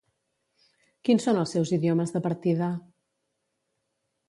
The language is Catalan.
Quins són els seus idiomes de partida?